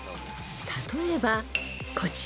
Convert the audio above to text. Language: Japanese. ［例えばこちら］